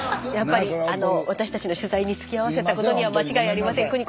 やっぱりあの私たちの取材につきあわせたことには間違いありません。